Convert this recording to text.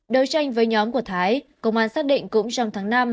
đấu tranh với nhóm của thái công an xác định cũng trong tháng năm